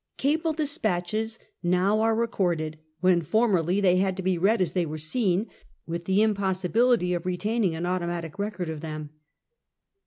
Cable dispatches now are recorded, when formerly they had to be read as they were seen, with the impossibility of retaining an automatic record of them.